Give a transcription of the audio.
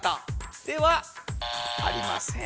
ではありません。